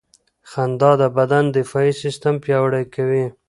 خندا د بدن دفاعي سیستم پیاوړی کوي.